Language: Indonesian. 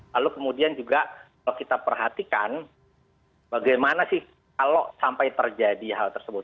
lalu kemudian juga kalau kita perhatikan bagaimana sih kalau sampai terjadi hal tersebut